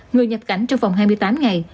người nhập cảnh trong vòng hai mươi tám ngày